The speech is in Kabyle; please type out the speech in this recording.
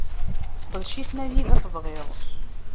Seqdec-iten anida tebɣiḍ.